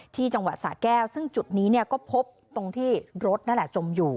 ที่จังหวัดสะแก้วซึ่งจุดนี้ก็พบตรงที่รถนั่นแหละจมอยู่